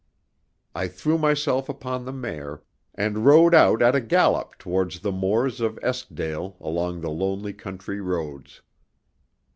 I threw myself upon the mare, and rode out at a gallop towards the moors of Eskdale along the lonely country roads.